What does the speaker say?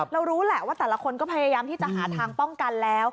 รู้แหละว่าแต่ละคนก็พยายามที่จะหาทางป้องกันแล้ว